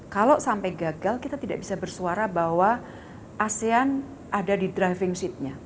kalau sampai gagal kita tidak bisa bersuara bahwa asean ada di driving seatnya